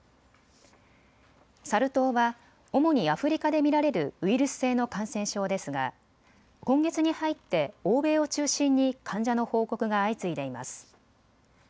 サル痘は主にアフリカで見られるウイルス性の感染症ですが今月に入って欧米を中心に患者の報告が相次いでいます。